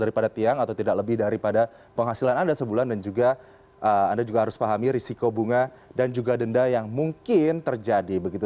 daripada tiang atau tidak lebih daripada penghasilan anda sebulan dan juga anda juga harus pahami risiko bunga dan juga denda yang mungkin terjadi begitu